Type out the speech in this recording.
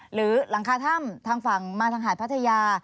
หรือหลังคาถ้ำทางฝั่งมาทางหาดพัทยา